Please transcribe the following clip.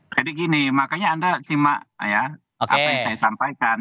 jadi gini makanya anda simak apa yang saya sampaikan